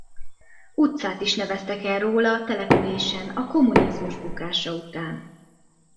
Utcát is neveztek el róla a településen a kommunizmus bukása után.